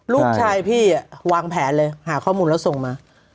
ลูกชายพี่วางแผนเลยหาข้อมูลแล้วส่งมา